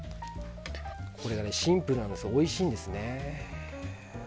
これがシンプルなんですけどおいしいんですね。